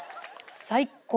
最高！